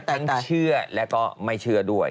ทั้งเชื่อแล้วก็ไม่เชื่อด้วย